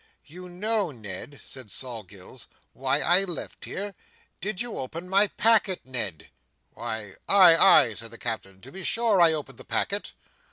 "You know, Ned," said Sol Gills, "why I left here. Did you open my packet, Ned?" "Why, ay, ay," said the Captain. "To be sure, I opened the packet."